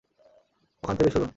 ওখান থেকে সরুন!